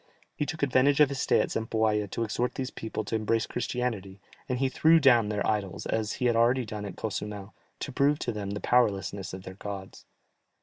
He took advantage of his stay at Zempoalla to exhort these people to embrace Christianity, and he threw down their idols, as he had already done at Cozumel, to prove to them the powerlessness of their gods.